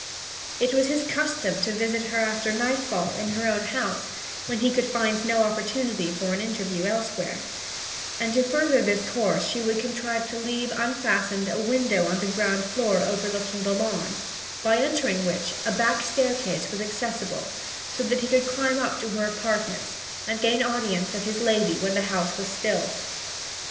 It was his custom to visit her after nightfall, in her own house, when he could find no opportunity for an interview elsewhere; and to further this course she would contrive to leave unfastened a window on the ground floor overlooking the lawn, by entering which a back stair case was accessible; so that he could climb up to her apartments, and gain audience of his lady when the house was still.